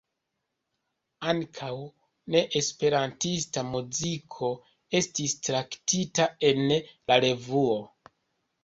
Ankaŭ ne-esperantista muziko estis traktita en la revuo.